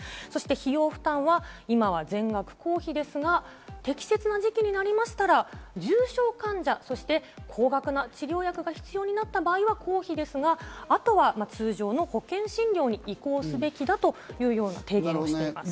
費用負担は今は全額公費ですが、適切な時期になりましたら、重症患者、そして高額な治療薬が必要になった場合は公費ですが、あとは通常の保険診療に移行すべきだというような提言をしています。